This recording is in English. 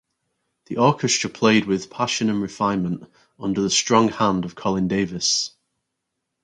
The orchestra played with "passion and refinement" under the "strong hand" of Colin Davis.